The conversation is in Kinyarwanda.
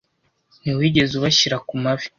ntiwigeze ubashyira ku mavi